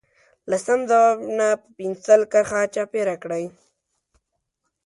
له سم ځواب نه په پنسل کرښه چاپېره کړئ.